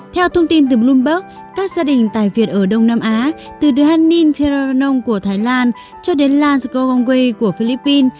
theo thông tin từ bloomberg các gia đình tài việt ở đông nam á từ đan ninh theranong của thái lan cho đến lanskogongwe của philippines